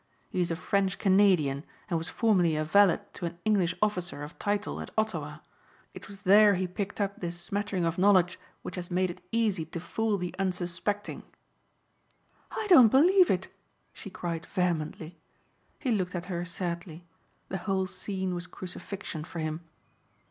He is a French Canadian and was formerly a valet to an English officer of title at Ottawa. It was there he picked up this smattering of knowledge which has made it easy to fool the unsuspecting." "I don't believe it," she cried vehemently. He looked at her sadly. The whole scene was crucifixion for him.